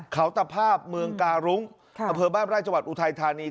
เขาตะภาพเมืองการุ้งอำเภอบ้านไร่จังหวัดอุทัยธานี